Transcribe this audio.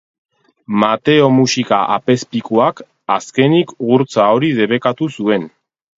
Mateo Muxika apezpikuak, azkenik, gurtza hori debekatu zuen.